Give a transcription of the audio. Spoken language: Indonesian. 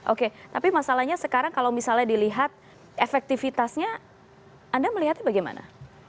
oke tapi masalahnya sekarang kalau misalnya dilihat efektivitasnya anda melihatnya bagaimana